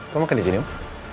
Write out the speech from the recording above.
kamu makan di sini om